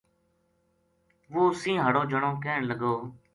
وہ سَینہ ہاڑو جنو کہن لگو